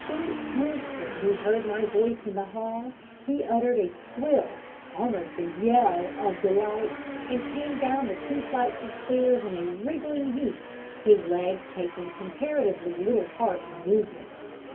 The instant he heard my voice in the hall he uttered a squeal almost a yell of delight, and came down the two flights of stairs in a wriggling heap, his legs taking comparatively little part in the movement.